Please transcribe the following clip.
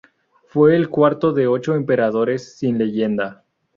Fue el cuarto de ocho emperadores sin leyenda.